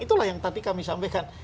itulah yang tadi kami sampaikan